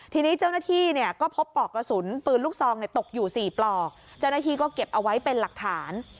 ทีนี้เจ้าหน้าที่เนี่ยก็พบปลอกกระสุนปืนลูกซองตกอยู่๔ปลอกเจ้าหน้าที่ก็เก็บเอาไว้เป็นหลักฐาน